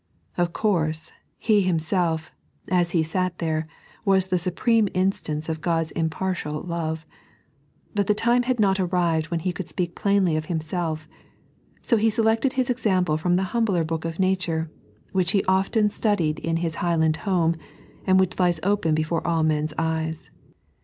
Of course. He Himself, as He sat there, was the supreme instance of God's impartial Love. But the time had not arrived when He could speak plainly of Himself ; so He selected His example from the humbler book of Nature, which He had often studied in His highland home, and which lies open before all men's eyes.